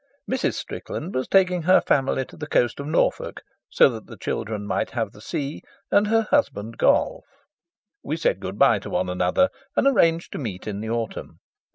Mrs. Strickland was taking her family to the coast of Norfolk, so that the children might have the sea and her husband golf. We said good bye to one another, and arranged to meet in the autumn.